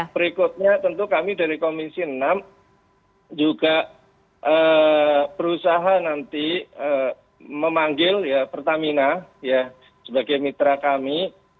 berikutnya tentu kami dari komisi enam juga berusaha nanti memanggil pertamina sebagai mitra kami